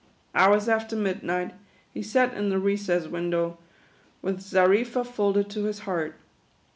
Hours after midnight, he sat in the recess window, with Xarifa folded to his heart.